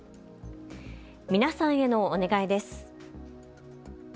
皆さんへのお願いです。